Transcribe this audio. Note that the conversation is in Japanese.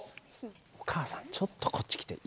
お母さんちょっとこっち来て。